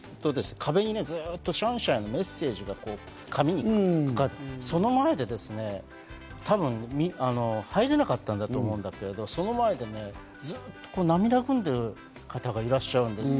そうすると壁にずっとシャンシャンのメッセージが紙に書かれていて、その前で多分入れなかったと思うんだけれども、その前にずっと涙ぐんでいる方がいらっしゃるんですよ。